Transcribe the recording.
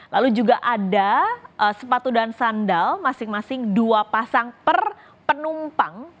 lalu juga ada sepatu dan sandal masing masing dua pasang per penumpang